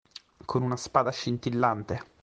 Con una spada scintillante.